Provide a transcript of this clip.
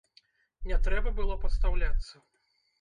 Не трэба было падстаўляцца.